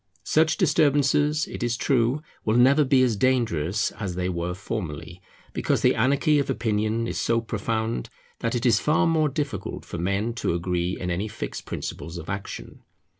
Such disturbances, it is true, will never be as dangerous as they were formerly, because the anarchy of opinion is so profound that it is far more difficult for men to agree in any fixed principles of action.